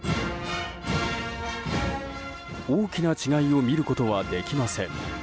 大きな違いを見ることはできません。